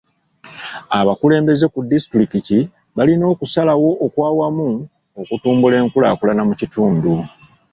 Abakulembeze ku disitulikiti balina okukola okusalawo okw'awamu okutumbula enkulaakulana mu kitundu.